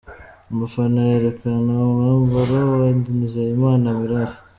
Umufana yerekana umwambaro wa Nizeyimana Mirafa.